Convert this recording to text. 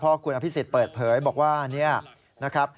เพราะคุณอภิษฎิ์เปิดเผยบอกว่า